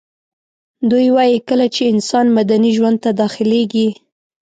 دوی وايي کله چي انسان مدني ژوند ته داخليږي